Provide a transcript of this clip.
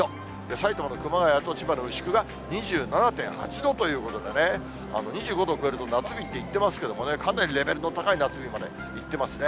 埼玉の熊谷と千葉の牛久が２７．８度ということでね、２５度を超えると夏日と言っていますけれども、かなりレベルの高い夏日までいってますね。